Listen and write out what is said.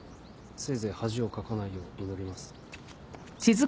せいぜい恥をかかないよう祈ります。